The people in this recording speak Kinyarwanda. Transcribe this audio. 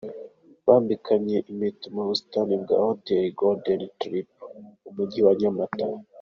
Bambikaniye impeta mu busitani bwa hoteli Golden Tulip mu Mujyi wa Nyamata.